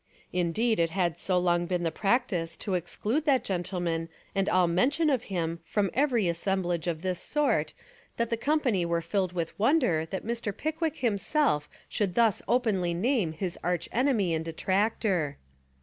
Indeed It had so long been the practice to exclude that gen tleman and all mention of him from every as semblage of this sort that the company were filled with wonder that Mr. Pickwick himself should thus openly name his arch enemy and detractor.